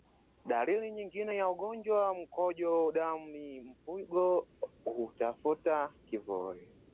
Dalili nyingine ya ugonjwa wa mkojo damu ni mfugo hutafuta kivuli